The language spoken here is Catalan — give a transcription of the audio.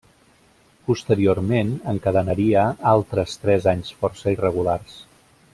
Posteriorment, encadenaria altres tres anys força irregulars.